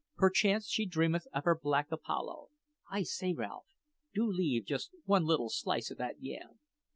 Perchance she dreameth of her black Apollo. I say, Ralph, do leave just one little slice of that yam!